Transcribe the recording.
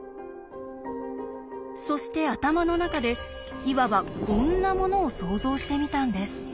そして頭の中でいわばこんなものを想像してみたんです。